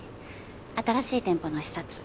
新しい店舗の視察。